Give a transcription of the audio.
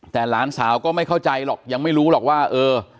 แต่หลานสาวก็ไม่เข้าใจหรอกยังไม่รู้หรอกว่าเออ